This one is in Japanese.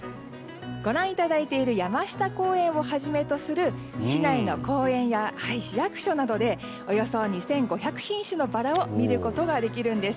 ご覧いただいている山下公園をはじめとする市内の公園や市役所などでおよそ２５００品種のバラを見ることができるんです。